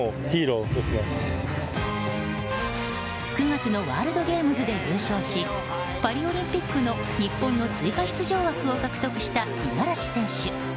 ９月のワールドゲームズで優勝しパリオリンピックの日本の追加出場枠を獲得した五十嵐選手。